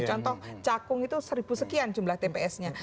contoh cakung itu seribu sekian jumlah tps nya